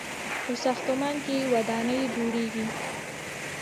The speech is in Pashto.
په ساختمان کې ودانۍ جوړیږي.